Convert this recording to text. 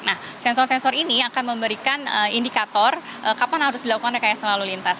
nah sensor sensor ini akan memberikan indikator kapan harus dilakukan rekayasa lalu lintas